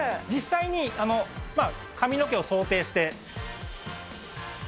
実際に、まあ、髪の毛を想定して。